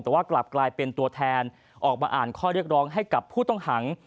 แต่ว่ากลับกลายเป็นตัวแทนออกมาอ่านข้อเรียกร้องให้กับผู้ต้องหัง